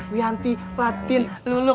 wianti fatin luluk